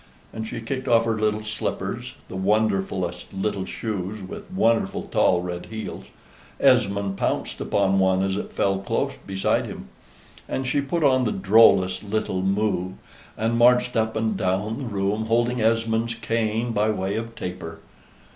And she kicked off her little slippers (the wonderfullest little shoes with wonderful tall red heels: Esmond pounced upon one as it fell close beside him), and she put on the drollest little moue, and marched up and down the room holding Esmond's cane by way of taper.